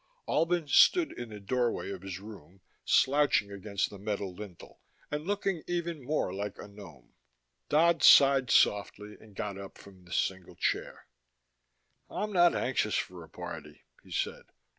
Albin stood in the doorway of his room, slouching against the metal lintel and looking even more like a gnome. Dodd sighed softly and got up from the single chair. "I'm not anxious for a party," he said.